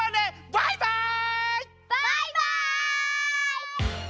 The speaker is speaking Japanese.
バイバイ！